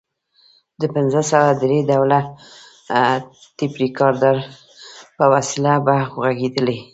د پنځه سوه درې ډوله ټیپ ریکارډر په وسیله به غږېدلې.